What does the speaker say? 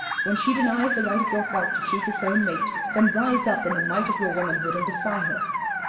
When she denies the right of your heart to choose its own mate, then rise up in the might of your womanhood and defy her.